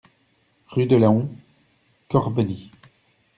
Rue de Laon, Corbeny